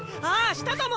したとも！